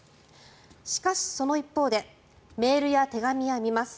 しかし、その一方でメールや手紙は見ます